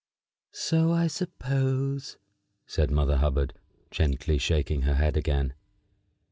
"So I supposed," said Mother Hubbard, gently shaking her head again.